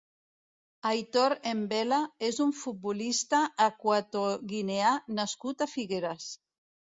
Aitor Embela és un futbolista equatoguineà nascut a Figueres.